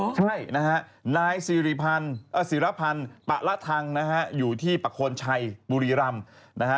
ใช่นะฮะนายศิรภัณฑ์ปะระทังอยู่ที่ปะโคนชัยบุรีรำ